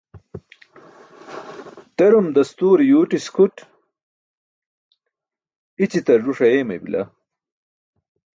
Terum dastuure yuwṭis kʰuṭ, i̇ćiṭar żuṣ ayeemay bila.